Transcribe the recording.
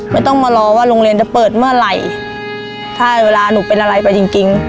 ไม่ต้องมารอว่าโรงเรียนจะเปิดเมื่อไหร่ถ้าเวลาหนูเป็นอะไรไปจริงจริง